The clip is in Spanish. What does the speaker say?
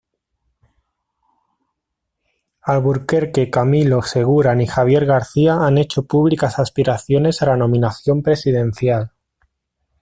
Alburquerque, Camilo, Segura ni Javier García han hecho públicas aspiraciones a la nominación presidencial.